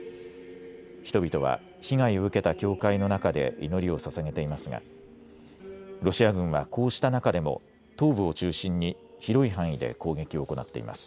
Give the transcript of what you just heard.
人々は被害を受けた教会の中で祈りをささげていますがロシア軍はこうした中でも東部を中心に広い範囲で攻撃を行っています。